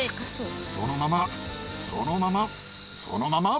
そのままそのままそのまま。